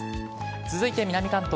続いて南関東。